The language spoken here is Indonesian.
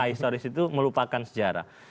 ahistoris itu melupakan sejarah